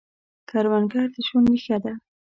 کروندګر د ژوند ریښه ده